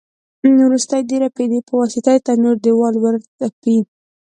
وروسته یې د رپېدې په واسطه د تنور په دېوال ورتپي.